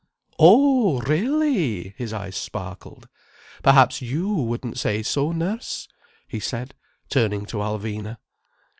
"Oh really!" his eyes sparkled. "Perhaps you wouldn't say so, nurse?" he said, turning to Alvina.